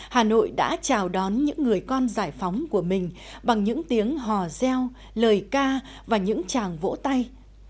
hà nội đã chào đón những người con giải phóng của mình bằng những tiếng hò reo lời ca và những chàng vỗ tay